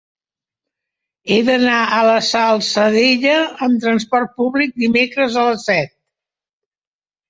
He d'anar a la Salzadella amb transport públic dimecres a les set.